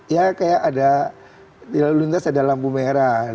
ya kayak ada di lalu lintas ada lampu merah